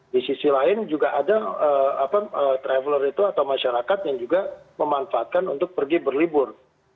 di sisi lain juga ada traveler itu atau masyarakat yang juga memanfaatkan untuk pergi berlibur